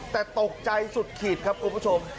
แต่ตกใจสุดขีดครับคุณผู้ชม